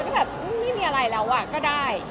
ก็แบบไม่มีอะไรแล้วก็ได้